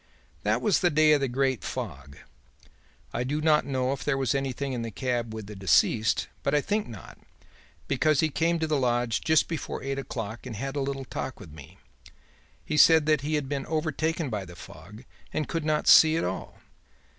That was the day of the great fog. I do not know if there was anyone in the cab with the deceased, but I think not, because he came to the lodge just before eight o'clock and had a little talk with me. He said that he had been overtaken by the fog and could not see at all.